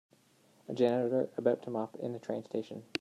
A janitor about to mop in a train station.